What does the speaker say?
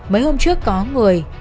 mấy hôm trước có người